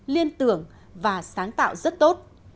liên tưởng và sáng tạo rất tốt